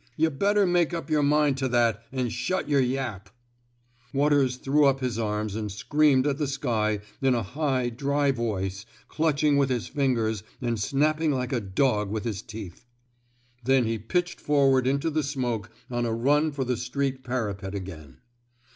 Yuh better make up yer mind to that, an' shut yer yap/* Waters threw up his arms and screamed at the sky in a high, dry voice, clutching with his fingers and snapping like a dog with his teeth. Then he pitched forward into the smoke on a run for the street parapet again.